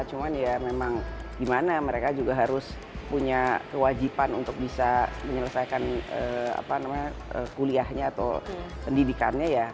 cuman ya memang gimana mereka juga harus punya kewajiban untuk bisa menyelesaikan kuliahnya atau pendidikannya ya